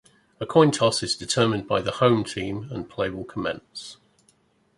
A coin toss is determined by the 'home' team and play will commence.